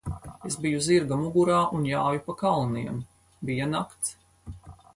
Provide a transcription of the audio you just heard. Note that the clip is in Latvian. Es biju zirga mugurā un jāju pa kalniem. Bija nakts.